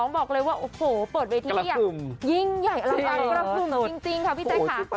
บอกเลยว่าโอ้โหเปิดเวทีอย่างยิ่งใหญ่อลังการกระพึ่มจริงค่ะพี่แจ๊คค่ะ